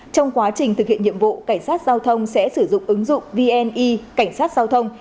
trong quá trình thực hiện nhiệm vụ cảnh sát giao thông sẽ sử dụng ứng dụng vni cảnh sát giao thông